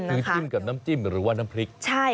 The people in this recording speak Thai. คือจิ้มกับน้ำจิ้มหรือว่าน้ำพริก